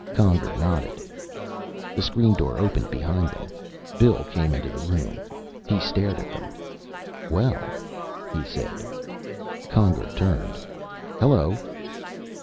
Conger nodded. The screen door opened behind them. Bill came into the room. He stared at them. "Well," he said. Conger turned. "Hello."